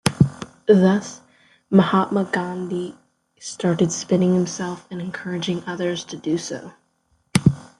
Thus Mahatma Gandhi started spinning himself and encouraging others to do so.